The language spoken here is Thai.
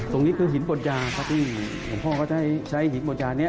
ตรงนี้คือหินบดยาครับที่หลวงพ่อก็จะให้ใช้หินบทยานี้